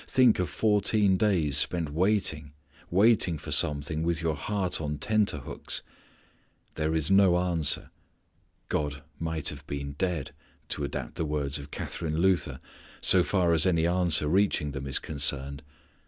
Think of fourteen days spent waiting; waiting for something, with your heart on tenter hooks. There is no answer. God might have been dead, to adapt the words of Catharine Luther, so far as any answer reaching them is concerned.